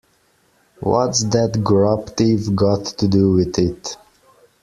What's that grub-thief got to do with it.